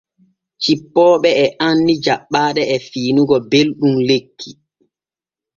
Cippooɓe e anni jaɓɓaaɗe e fiinigo belɗum lekki.